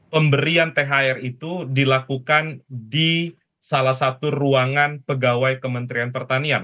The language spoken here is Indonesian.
pemberian thr itu dilakukan di salah satu ruangan pegawai kementerian pertanian